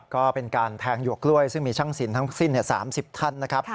ก็เป็นการแทงหยวกกล้วยซึ่งมีช่างสินทั้งสิ้น๓๐ท่านนะครับ